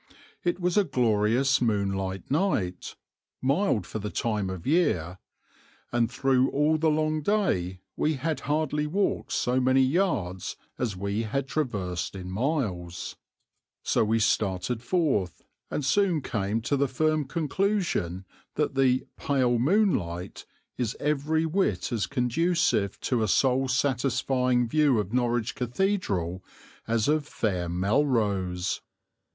It was a glorious moonlight night, mild for the time of year, and through all the long day we had hardly walked so many yards as we had traversed miles. So we started forth, and soon came to the firm conclusion that the "pale moonlight" is every whit as conducive to a soul satisfying view of Norwich Cathedral as of "fair Melrose."